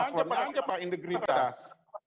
tidak ada penandatangan fakta integritas